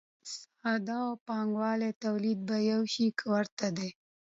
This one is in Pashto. ساده او پانګوالي تولید په یوه شي کې ورته دي.